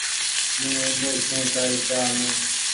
مين اوٻو ڇون تآري چآه مين ۔